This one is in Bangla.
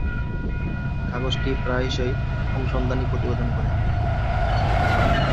কাগজটি প্রায়শই অনুসন্ধানী প্রতিবেদন করে।